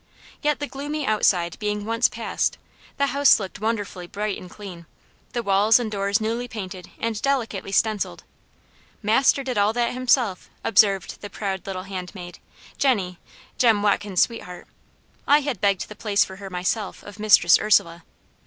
Yet the gloomy outside being once passed, the house looked wonderfully bright and clean; the walls and doors newly painted and delicately stencilled: ("Master did all that himself," observed the proud little handmaid, Jenny Jem Watkins's sweetheart. I had begged the place for her myself of Mistress Ursula.)